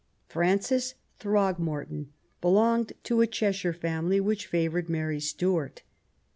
Francis Throgmorton belonged to a Cheshire family which favoured Mary Stuart.